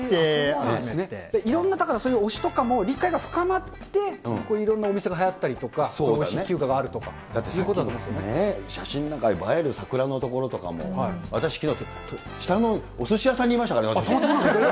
いろんなだから、推しとかも理解が深まって、こういういろんなお店がはやったりとか、推し休暇があるとかとい写真なんか、映える桜の所なんかも、私、きのう、下のおすし屋さんにいましたからね、私。